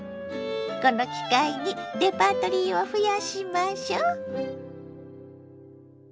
この機会にレパートリーを増やしましょ。